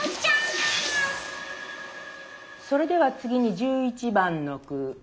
それでは次に１１番の句。